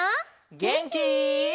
げんき？